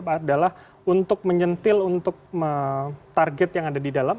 adalah untuk menyentil untuk target yang ada di dalam